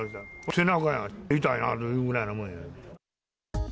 背中が痛いなっていうぐらいのもんや。